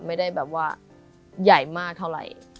ไม่ได้แบบว่าใหญ่มากเท่าไหร่